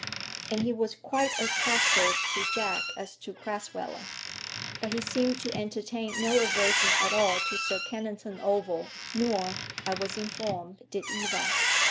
And he was quite as hostile to Jack as to Crasweller. But he seemed to entertain no aversion at all to Sir Kennington Oval; nor, I was informed, did Eva.